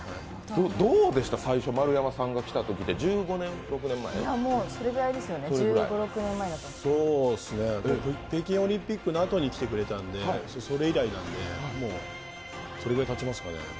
どうでした、最初丸山さんが来たときって１５１６年前から北京オリンピックのあとに来てくれたので、それ以来なので、もう、それぐらいたちますかね。